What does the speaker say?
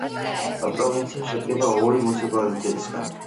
პროვინცია შედგება ორი მუნიციპალიტეტისაგან.